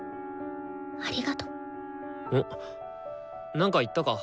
なんか言ったか？